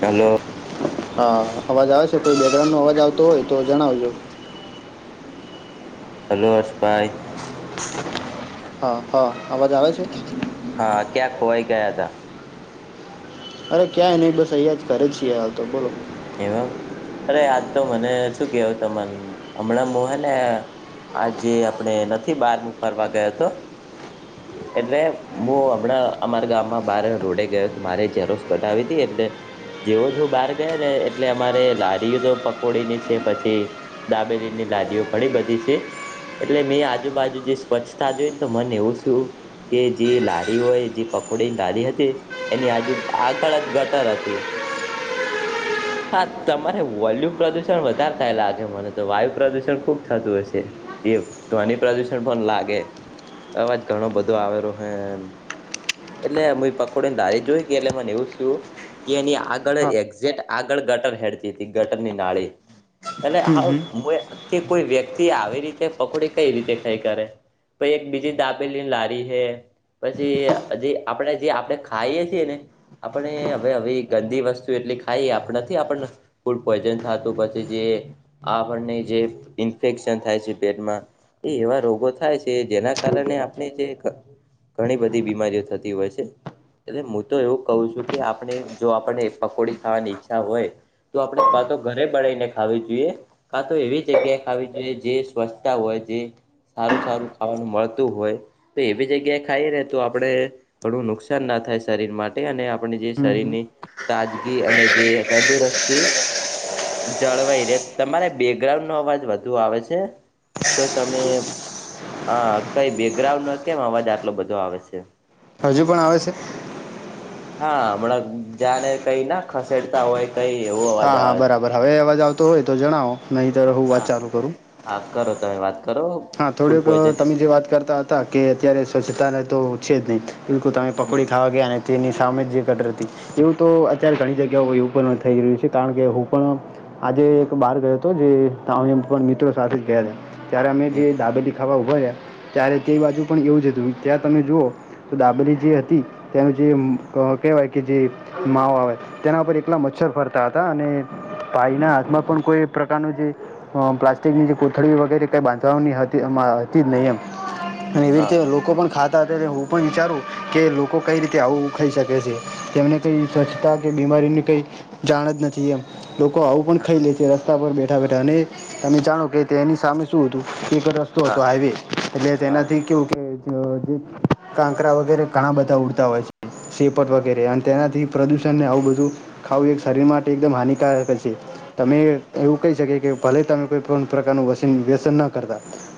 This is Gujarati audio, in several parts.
હાલો હા અવાજ આવે છે. કોઈ બેકરાઉન્ડ નો અવાજ આવતો હોય તો જણાવજો હલો હર્ષભાઈ હા હા અવાજ આવે છે. હા ક્યાં ખોવાઈ ગયા તા અરે ક્યાંય ની બસ અહીંયા જ કરે છીએ હાલ તો બોલો એવા અરે આજ તો મને શું કેવ તમને હમણાં મો હે ને આજે આપણે નથી બાર હું ફરવા ગયો તો એટલે હું હમણાં અમારા ગામમાં બાર રોડે ગયો હતો મારે ઝેરોસ કઢાવી હતી એટલે. જેવો જો બહાર ગયા ને એટલે અમારે લારી તો પકોડી ની છે. પછી દાબેલીની લારીઓ ઘણી બધી છે. એટલે મેં આજુબાજુ જે સ્વચ્છતા જોઈ ને તો મને એવું થિયુ. કે જે લારી હોય જે પકોડીની લારી હતી. એની આજુ આગળ જ ગટર હતી. હા તમારે વોલ્યુ પ્રદુષણ વધારે થાય લાગે મને તો વાયુ પ્રદુષણ ખુબ થતું હશે એ ધ્વનિ પ્રદુષણ પણ લાગે અવાજ ઘણો બધો આવેલો હ એમ એટલે હ પકોડી ને લારી જોઈ કે એટલે મને એવું થય કે એની આગળ હા એક્ઝે્ટ આગળ ગટર હેડતી હતી ગટરની નાળી અનેએટ હમ હમ હું કે કોઈ વ્યક્તિ આવી રીતે પકોડી કઈ રીતે ખાઈ કરે તો એક બીજી દાબેલી લારી હૈ. પછી જે આપણે જે આપણે ખાઈએ છીએ ને આપણે હવે હ ગંદી વસ્તુ એટલી હા નથી આપણને ફૂડ પોઈઝન થતું પછી જે આપણને જે ઇન્ફેક્શન થાય છે પેટમાં એ એવા રોગો થાય છે જેના કારણે આપણે જે ઘણી બધી બીમારીઓ થતી હોય છે. એટ હું તો એવું કહઉ છુ કે આપણે જો આપને પકોડી ખાવાની ઈચ્છા હોય. તો આપડે કા તો ઘરે બળીને ખાવી જોઈએ. કા તો એવી જગ્યાએ ખ આવી જોઈએ જે સ્વચ્છતા હોય તે સારું સારું ખાવાનું મળતું હોય. તો એવી જગ્યાએ ખાઈ રે તો આપણે ઘણું નુકસાન ના થાય શરીર મા આપણે જે હમ હમ. શરીરની તાજગી અને જે તંદુરસ્તી જળવાઈ રે તમારે બેકગ્રાઉન્ડ નો અવાજ વધુ આવે છે. તો તમે આ કઈ બેકગ્રાઉન્ડ નો કેમ અવાજ આટલો બધો આવે છે? હજુ પણ આવે છે? હા હમણાં જા ને કઈ ના ખસેડતા હોય. કઈ એવું. હા હા બરાબર હવે અવાજ આવતો હોય તો જણાવો નહીં તો હું વાત ના ચાલું કરું? હા કરો તમે વાત કરો. હા ફૂડ થોડીક પોઈઝન તમે વિશે જે વાત કરતા હતા કે અત્યારે સ્વચ્છતાને તો છે જ નહી. બિલકુ તમે હમ પકોડી ખાવા ગયા અને તેની સામે જ જે કટરતી એવું તો અત્યારે ઘણી જગ્યાઓ એવું પણ થઈ રહ્યું છે કારણ કે હું પણ આજે એક બાર ગયો હતો જે મિત્રો સાથે જ ગયા હતા ત્યારે અમે જે એવું દાબેલી થવા ઉભા રહ્યા ત્યારે તે બાજુ પણ એવું જ હતું ત્યાં તમે જુઓ તો ડાબરી જે હતી. તેનું જે કહેવાય કે જે માવ આવે. તેના ઉપર એકલા મચ્છર ફરતા હતા અને ભાઈના હાથમાં પણ કોઈ પ્રકારનું જે પ્લાસ્ટિકની જે કોથળી વગેરે કઈ બાંધ હતી જ નહીમ એવી હા રીતે લોકો પણ ખા તા ત્યારે હું પણ વિચારું કે લોકો કઈ રીતે આવું ખાઈ શકે છે તેમને કઈ સ્વચ્છતા કે બીમારીની કઈ જાણ જ નથીમ. લોકો આવું પણ ખાઈ લે છે રસ્તા પર બેઠા બેઠા અને તમે જાણો કે તેની સામે શું હતું. એક રસ્તો હા હતો હાઈવે એટલે હા તેનાથી કેવું કે. જે કાંકરા વગેરે ઘણા બધા ઉડતા હોય છે. સેપટ વગેરે અને તેનાથી પ્રદુષણને આવું બધું. ખાવું એક શરીર માટે એકદમ હાનિકારક છે. તમે એવું કહી શકી કે ભલે તમે કોઈ પ્રકારનું વ વ્યસન ના.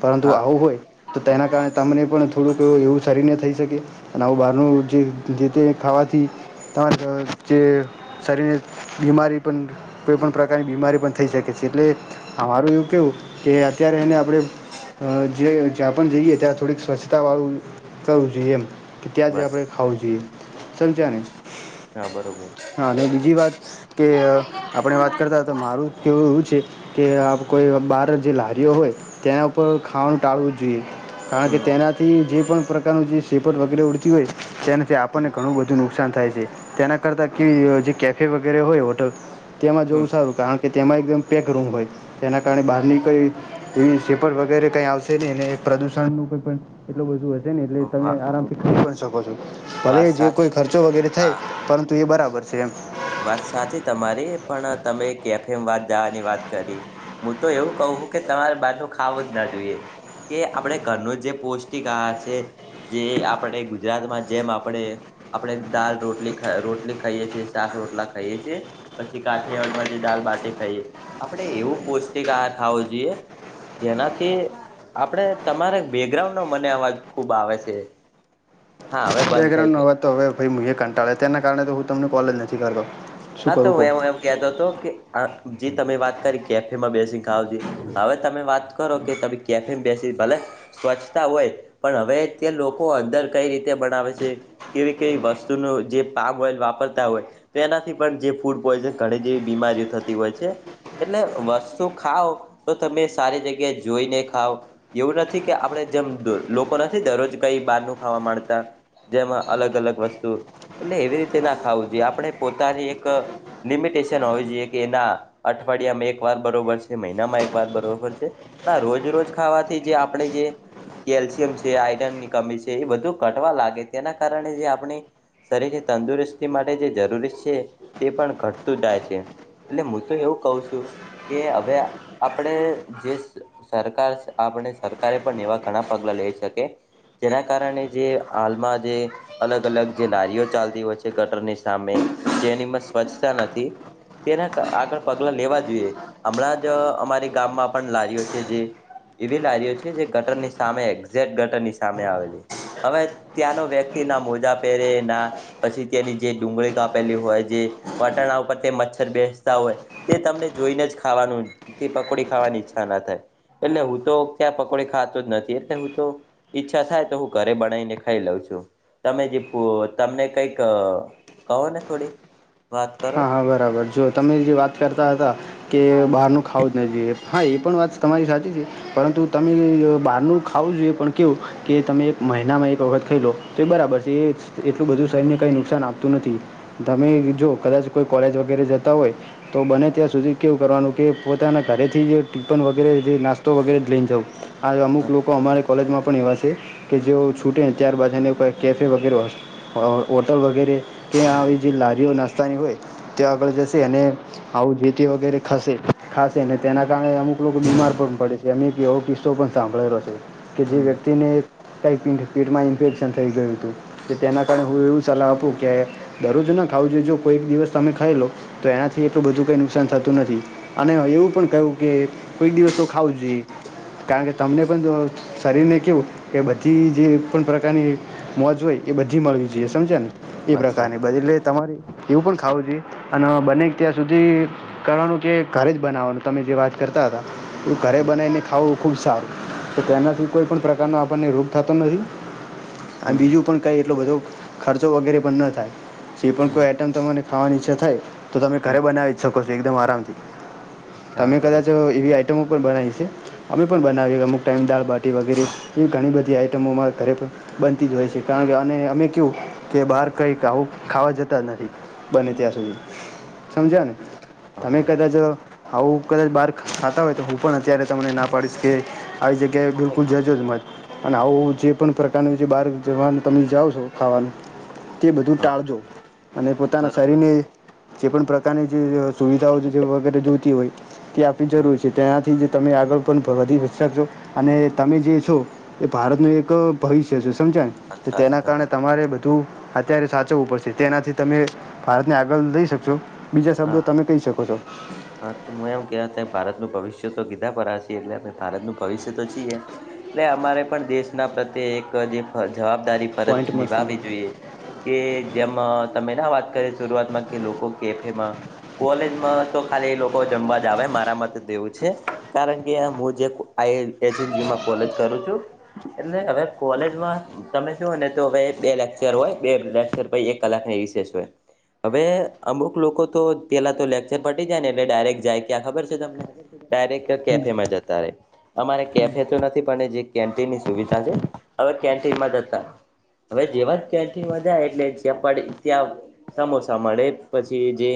પરંતુ હા આવું હોય તો તેના કારણે તમને પણ થોડું એવું શરીને થઈ શકે. અને આવું બહારનું જેતે ખાવાથી તમારે જે શરીરને બીમારી પણ કોઈ પણ પ્રકારની બીમારી પણ થઈ શકે છે એટલે અમારું એવું કેવું કે અત્યારે એને આપણે જે જ્યાં પણ જઈએ ત્યાં થોડીક સ્વચ્છતા વાળું કરવું જોઈએ એમ. કે ત્યાં જ બસ આપણે ખાવું જોઈએ ચજા ને હા બરોબર હા અને બીજી વાત કે આપણે વાત કરતા હો તો મારું કેવું એવું છે. કે આ કોઈ બાર જે લારીઓ હોય તેના ઉપર ખાવાનું ટાળવું જ જોઈએ કારણ કે હમ તેનાથી જે પણ પ્રકાર જે સેપર વગેરે ઉડતી હોય તેનાથી હમ આપણને ઘણું બધું નુકસાન થાય છે. તેના કરતા કે જે કેફે વગેરે હોય હોટલ તેમાં હમ જોવું સારું કારણ કે તેમાં એકદમ પેક રૂમ હોય તેના કારણે બહારની કંઈ એવી જે પણ વગેરે કઈ આવશે નહી પ્રદૂષણ નું કોઈ પણ એટલું બધું હશે ને એટલે તમે વા આરામથી કરી પણ શકો છો. ભલે વાત જે સાચી કોઈ ખર્ચો વગેરે હા થાય પરંતુ એ બરાબર છે એમ વાત સાચી તમારી પણ તમે કેફેમ વાદ જવાની વાત કરી. હું તો એવું કહું કે તમારે બાજું ખાવું જ ના જોઈએ. કે આપણે ઘરનો જે પૌષ્ટિક આહાર છે. જે આપણે ગુજરાતમાં જેમ આપણેે આપણે દાલ રોટલી રોટલી ખાઈએ છીએ. ચાક રોટલા ખાઈએ છીએ. પછી કાઠીયાવાડમાંજે દાલ બાટી ખાઈએ આપડે એવો પૌષ્ટિક આહાર ખાવો જોઈએ. જેનાથી આપડે તમારે બેકગ્રાઉન્ડ નો મને અવાજ ખુબ આવે છે. હા હવે બંધ થઈ બેકગ્રાઉન્ડનો અવાજ તો ગયા. હવે ભાઈ હું એ કંટાળે તેના કારણે તો હું તમને કોલે જ નથી કરતો. શું હા તો કરું કહો એમમ કહેતો હતો કે આ જે તમે વાત કરી કેફેમાં બેસીને ખાવજ હવે તમે વાત કરો કે તમે કેફેમ બેસી ભલે. સ્વચ્છતા હોય પણ હવે તે લોકો અંદર કઈ રીતે બનાવે છે. કેવી કેવી વસ્તુનું જે પામ ઓઈલ વાપરતા હોય તો એનાથી પણ જે ફૂડ પોઈઝન ઘણી જેવી બીમારીઓ થતી હોય છે. એટલે વસ્તુ ખાવ તો તમે સારી જગ્યા જોઈને ખાવ એવું નથી કે આપડણે જેમ લોકો નથી દરરોજ કઈ બહાર નું ખાવા માંડતા. જેમાં અલગ અલગ વસ્તુ એટલે એવી રીતે ના ખાવું જોઈએ આપણે પોતાની એક લિમિટેશન હોવી જોઈએ કે ના અઠવાડિયામાં એક વાર બરોબર છે, મહિનામાં એક વાર બરોબર છે. ના રોજ રોજ ખાવાથી જે આપણે જે કેલ્શિયમ છે આયરન ની કમી છે એ બધું ઘટવા લાગે તેના કારણે જે આપણે શરીરની તંદુરસ્તી માટે જે જરૂરી છે તે પણ ઘટતું જાય છે. એટલે હું તો એવું કઉ છું કે હવે આપણે જે સરકાર આપણે સરકારે પણ એવા ઘણા પગલા લઈ શકે. જેના કારણે જે હાલમાં જે- અલગ અલગ જે લારીઓ ચાલતી હોય છે ગટરની સામે જેનીમાં સ્વચ્છતા નથી. તેના આગળ પગલા લેવા જોઈએ હમણાં જ અમારી ગામમાં પણ લારીઓ છે જે એવી લારીઓ છે જે ગટર ની સામે એઝેક ગટરની સામે આવેલી હવે ત્યાંનો વ્યક્તિ ના મોજા પહેરે ના પછી ત્યાંની જે ડુંગળી કાપે આપે હોય જે વટાણા ઉપર તે મચ્છર બેસતા હોય તે તમને જોઈને જ ખાવાનું થી પકોડી ખાવાની ઈચ્છા ના થાય એટલે હું તો ત્યાં પકોડી ખાતો જ નથી એટલે હું તો ઈચ્છા થાય તો હું ઘરે બનાવીને ખાઈ લઉં છું તમે જે તમને કઈક કન ને થોડી વાત હા કરો હા બરાબર જો તમે જે વાત કરતા હતા કે સારું બહારનું ખાવું જ ન જોઈએ હા એ પણ વાત તમારી સાચી છે. પરંતુ તમે બહારનું ખાવું જોઈએ પણ કેવું કે તમે એક મહિનામાં એક વખત ખાઈ લો તો બરાબર છે એ એટલું બધું શરીરને કંઈ નુકસાન આપતું નથી તમે જો કદાચ કોઈ કોલેજ વગેરે જતા હોય. તો બને ત્યાં સુધી કેવું કરવાનું કે પોતાના ઘરેથી ટિફન વગેરે નાસ્તો વગેરે લઈ જઉ. આ અમુક લોકો અમારે કોલેજમાં પણ એવા છે કે જેઓ છૂટેને ત્યારબાદ એ કેફે વગેરે હ હોટલ વગેરે કે આવી જે લારીઓ નાસ્તાની હોય ત્યા આગળ જશે અને આવું જે તે વગેરે ખસે ખાશે ને તેના કારણે અમુક લોકો બીમાર પણ પડે છે. જેમ એક એવો કિસ્સો પણ સાંભળેલો છે કે જે હમ વ્યક્તિને ટાઈપિંગ સ્પીડમાં ઇમ્પેરેશન થઈ ગયું હતું. તેના કારણે હું એવું સલાહ આપું કે દરરોજ ના ખાવ જો જો કોઈ એક દિવસ તમે ખાઈ લો તો એનાથી એટલું બધું કંઈ નુકસાન થતું નથી. અને એવું પણ કું કે કોઈ દિવસ તો ખાવું જોઈએ. કારણ કે તમને પણ જો શરીર ને કેવું કે બધી જે પણ પ્રકારની મોજ હોય એ બધી મળવી જોઈએ સમજા ને એ વાત પ્રકારની સાચી બ એટલે તમારી એવું પણ ખાવું જોઈએ અને બને ત્યાં સુધી કરવાનું કે ઘરે જ બનાવવાનું તમે જે વાત કરતા હતા. એ ઘરે હમ બનાવીને ખાવું ખુબ સારું તો તેનાથી કોઈ પણ પ્રકારનો આપણને રોગ થતો નથી. આ હમ બીજું પણ કઈ એટલો બધો ખર્ચો વગેરે પણ ન થાય. જે પણ કોઈ હમ આઈટમ તમારે ખાવાની ઈચ્છા થાય તો તમે હમ ઘરે બનાવી જ શકો છો એકદમ આરામથી. હા તમે કદાચ બરોબર એવી આઈટમો પણ બનાવી છે. અમે પણ બનાવીએ અમુક ટાઈમ દાળબાટી વગેરે એવી ઘણી બધી આઈટમોમાં ઘરે. બનતી જ હોય છે કારણ કે અને અમે કું કે બહાર કંઈક આવું ખાવા જતા નથી. બને ત્યાં સુધી સમજ્યા હા તમે હા કદાચ આવું કદાચ બહાર ખાતા હોય તો હું પણ અત્યારે તમને ના પાડીશ કે આવી જગ્યા કે હું નહી બિલકુલ ખાતો જજોજ મત. અને આવું જે પણ પ્રકારનું જે બહાર જવાનું તમે જાઓ છો ખાવાનું. તે બધું હા ટાળજો. અને પોતાના બરોબર શરીરને જે પણ પ્રકારની જે સુવિધાઓ વગેરે જોતી હોય. તે આપવી હા જરૂર છે તેનાથી જ તમે આગળ પણ વધી શકશો અને તમે જે છો. એ ભારત નું એક ભવિષ્ય છે સમજા. વાત તો સાચી તેના કારણે તમારી તમારે બધું અત્યારે સાચવવું પડશે તેનાથી તમે ભારતને આગળ લઈ શકશો બીજા શબ્દો હા તમે કહી શકો છો. હા તો મે એમ કે ત ભારતનું ભવિષ્ય તો કીધા પર છીએ એટલે ભારતનું ભવિષ્ય તો છીએ. એટલે અમારે પણ દેશના પ્રત્યે એક જે જવાબદારી. ફરજ પોઈન્ટ મસ્ત નિભાવવી જોઈએ કે જેમ તમે ના વાત કરી શરૂઆતમાં કે લોકો કે એમાં કોલેજમાં તો ખાલી એ લોકો જમવા જ આવે મારામાં તો દેવું છે. કારણ કે મુજબ જે [inaudible] કોલેજ કરું છું. એટલે હવે કોલેજમાં તમે શું ને તો હવે બે લેક્ચર હોય બે લેક્ચર પ એક કલાક હવે અમુક લોકો તો પેલા તો લેક્ચર પટી જાય ને એટલે ડાયરેક્ટ જાય. ક્યાં ખબર છે તમને ડાયરેક્ટ હમ કેફે માં જતા રહે. અમારે કેફે તો નથી પણ જે કેન્ટીનની સુવિધા છે હવે કેન્ટીનમાં જતા. હવે જેવા કેન્ટીન માં જાય એટલે ચેપડી ત્યાં સમોસા મળે. પછી જે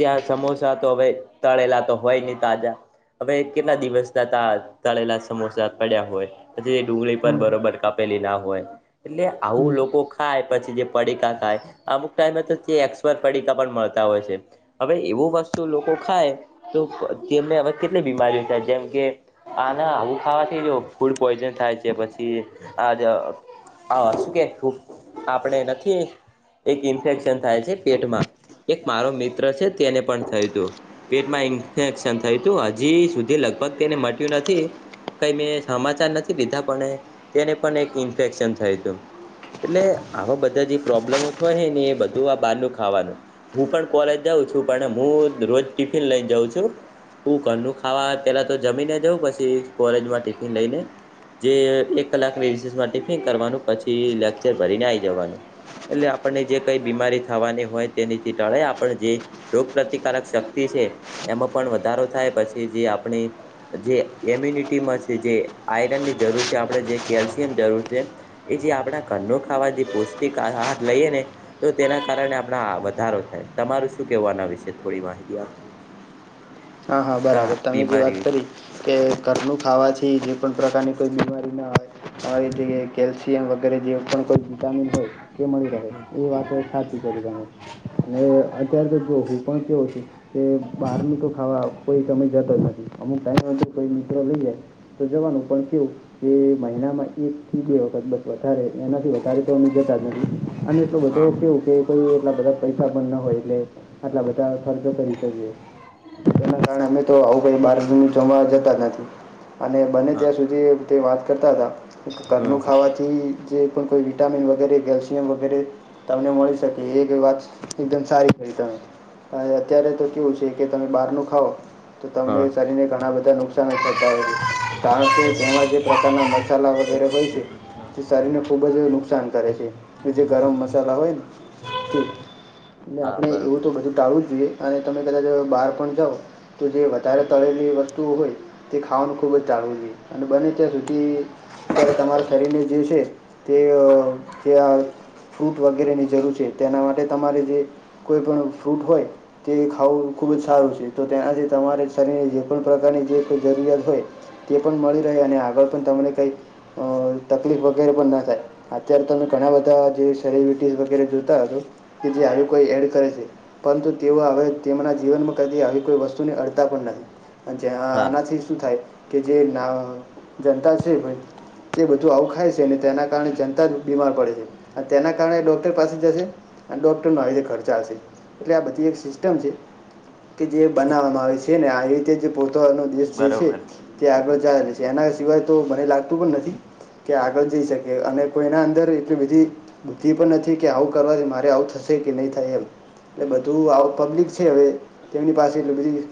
ત્યાં સમોસા તો હવે તળેલા તો હોય નહી તાજા. હવે કેટલા દિવસ તતા તળેલા સમોસા પડ્યા હોય. પછી ડુંગળી પર હમ બરોબર કાપેલી ના હોય એટલે હમ આવું લોકો. ખાય પછી જે પડીકા ખાય અમુક ટાઈમે તો એસપર્ટ પડીકા પણ મળતા હોય છે. હવે એવું વસ્તુ લોકો ખાય તો તેમને હવે કેટલી બીમારીઓ થાય જેમ કે આ ના આવું ખાવાથી જો ફૂડ પોઈઝન થાય છે પછી આજ. હ શું કે આપડણે નથી એક ઇન્ફેક્શન થાય છે પેટમાં એક મારો મિત્ર છે તેને પણ થયું તું. પેટમાં ઇન્ફેક્શન થયું હતું હજી સુધી લગભગ તેને મટ્યું નથી. કઈ મેં સમાચાર નથી લીધા પણ તેને પણ એક ઇન્ફેક્શન થયું તું. એટલે આવા બધા જે પ્રોબ્લેમો થય હ ને એ બધું આ બહારનું ખાવાનું. હું પણ કોલેજ જાઉં છું પણ હું રોજ ટિફિન લઈને જાઉં છું. હું ઘર નુ ખાવા પેલા તો જમીને જઉં પછી કોલેજમાં ટિફિન લઈને જે એક કલાકની રિસેસમાં ટિફિન કરવાનું પછી લેક્ચર ભરીને આઇ જવાનું. એટલે આપણને જે કઈ બીમારી થવાની હોય. તેનીથી ટળે આપણે જે રોગ પ્ર્રતિકારક શક્તિ છે. એમાં પણ વધારો થાય પછી જે આપણી જે મ્યુનિટીમાં છે જે આયરનની જરૂર છે આપણે જે કેલ્શિયમની જરૂર છે. એ જે આપડા ઘરનું ખાવા જે પૌષ્ટિકહ લઈએ ને તો તેના કારણે આપડા આવત વધારો થાય, તમારું શું કેવું આના વિશે, થોડી માહિતી આપો? હા, હા, તા બરાબર તમે જે બીમારી વાત વિશે કરી કે ઘરનું ખાવાથી જે પણ પ્રકારની કોઈ બીમારી ના આવે અમુક જગ્યાએ કેલ્શિયમ વગેરે જે પણ કોઈ વિટામિન હોય તે મળી રહે, એ વાત સાચી કરી તમે અને અત્યારે તો જો હું પણ કેવું છું કે બહારનું તો ખાવા કોઈ સમય જતો જ નથી. અમુક ટાઇમએ કોઈ મિત્રો લઈએ તો જવાનું પણ કેવું કે મહિનામાં એકથી બે વખત બસ. વધારે એનાથી વધારે તો અમે જતા જ નથી અને એટલો બધો હા કેવું કે કોઈ એટલા બધા પૈસા પણ ના હોય, એટલે આટલા બધા ખર્ચો કરી શકેએ. એના કારણે અમે તો આવું કઈ બારનું જમવા જતા નથી અને બને હા ત્યાં સુધી. તે વાત કરતા હતા, કે હમ ઘરનું ખાવાથી જે પણ કોઈ વિટામિન વગેરે, કેલ્શિયમ વગેરે તમને મળી શકે એ વાત એકદમ સારી કરી તમે, અહ અત્યારે તો કેવું છે કે તમે બહારનું ખાવ તો તમને હા શરીરને ઘણા બધા નુકસાન જ થતા હોય છે. કારણકે તેમાં જે પ્રકારના મસાલા વગેરે હોય છે. તે શરીરને ખૂબજ નુકસાન કરે છે જે ગરમ મસાલા હોય ને તે એટલે હા આપણે એવું બરોબર તો બધું ટાળવું જ જોઈએ અને તમે કદાચ બહાર પણ જાઓ. તો જે વધારે તળેલી વસ્તુઓ હોય તે ખાવાનું ખૂબ જ ચળવું જોઈએ અને બને અત્યાર સુધી અત્યારે તમારા શરીરને જે છે તે જે ફૂ વગેરેની જરૂર છે તેના માટે તમારે જે કોઈ પણ ફ્રૂટ હોય તે ખાવું. ખૂબજ સારું છે, તો તેનાથી તમારે શરીરની જે પણ પ્રકારની જે કોઈ જરૂરિયાત હોય, તે પણ મળી રહે અને આગળ પણ તમને કઈ તકલીફ વગેરે પણના થાય અત્યારે તમે ઘણા બધા જે સેલિબ્રિટી વગેરે જોતા હશો કે જે આવી કોઈ એડ કરે છે, પરંતુ તેઓ હવે તેમના જીવનમાં કદી આવી કોઈ વસ્તુની અડતા પણ નથી, જ્યાં હા આનાથી શું થાય કે જે ના જનતા છે ભાઈ તે બધું આવુ ખાય છે ને તેના કારણે જનતા જ બીમાર પડે છે. અહ તેના કારણે ડોક્ટર પાસે જશે અને ડોક્ટરનો આવીજ ખર્ચા હશે. એટલે આ બધી એક સિસ્ટમ છે કે જે બનાવવામાં આવે છે ને આવી રીતે જે પોતાનો દેશ જે છે બરોબર તે આગળ જાવાની છે એના સિવાય તો મને લાગતું પણ નથી કે આગળ જઈ શકે અને કોઈના અંદર એટલી બધી બુદ્ધિ પણ નથી કે આવું કરવાથી મારે આવું થશે કે નહી થાય એમ. એટલે બધું આવ પબ્લિક છે હવે તેની પાસે બધી